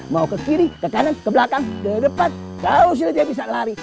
mau ke kiri ke kanan ke belakang ke depan kau sudah bisa lari